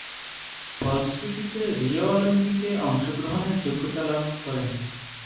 ফলশ্রুতিতে রিও অলিম্পিকে অংশগ্রহণের যোগ্যতা লাভ করেন।